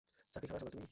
চাকরী খাবা সবার তুমি?